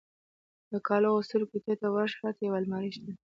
د کالو اغوستلو کوټې ته ورشه، هلته یو المارۍ شته.